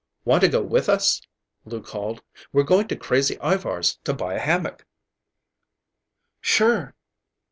"Want to go with us?" Lou called. "We're going to Crazy Ivar's to buy a hammock." "Sure."